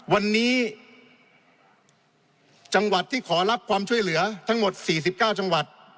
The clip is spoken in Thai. วันนี้จังหวัดที่ขอรับความช่วยเหลือทั้งหมด๔๙จังหวัด